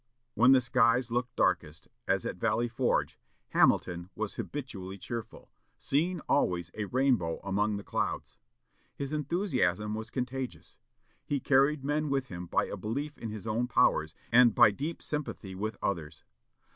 When the skies looked darkest, as at Valley Forge, Hamilton was habitually cheerful, seeing always a rainbow among the clouds. His enthusiasm was contagious. He carried men with him by a belief in his own powers, and by deep sympathy with others.